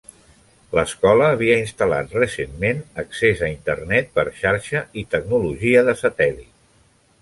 L'escola havia instal·lat recentment accés a Internet per xarxa i tecnologia de satèl·lit.